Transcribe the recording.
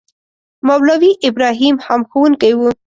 مولوي ابراهیم هم ښوونکی وو.